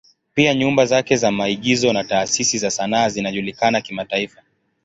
Pia nyumba zake za maigizo na taasisi za sanaa zinajulikana kimataifa.